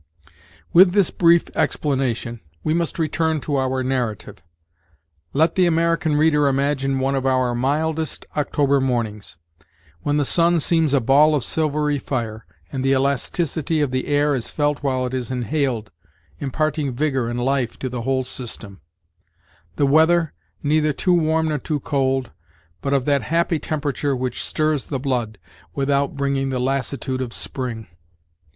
With this brief explanation, we must return to our narrative. Let the American reader imagine one of our mildest October mornings, when the sun seems a ball of silvery fire, and the elasticity of the air is felt while it is inhaled, imparting vigor and life to the whole system; the weather, neither too warm nor too cold, but of that happy temperature which stirs the blood, without bringing the lassitude of spring.